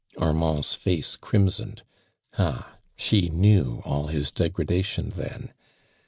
Armand's face crimsoned. Ah, she knew nil his degradation then.